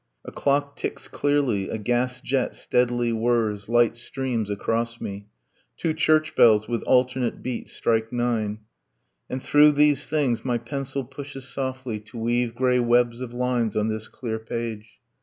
... A clock ticks clearly, A gas jet steadily whirs, light streams across me; Two church bells, with alternate beat, strike nine; And through these things my pencil pushes softly To weave grey webs of lines on this clear page.